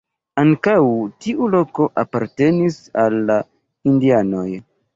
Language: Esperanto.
Ankaŭ tiu loko apartenis al la indianoj.